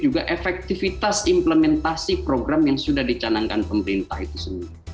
juga efektivitas implementasi program yang sudah dicanangkan pemerintah itu sendiri